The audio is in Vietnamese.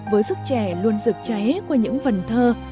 với sức trẻ luôn rực cháy qua những vần thơ